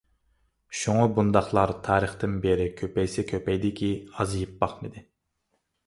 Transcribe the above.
شۇڭا بۇنداقلار تارىختىن بېرى كۆپەيسە كۆپەيدىكى، ئازىيىپ باقمىدى.